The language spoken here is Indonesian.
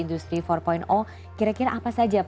industri empat kira kira apa saja